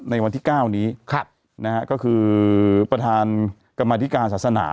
ในวันที่๙นี้ก็คือประธานกรรมธิการศาสนา